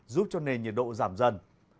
giúp cho nền nhiệt độ giảm dần